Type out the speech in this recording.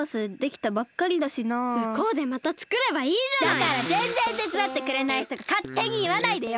だからぜんぜんてつだってくれないひとがかってにいわないでよ！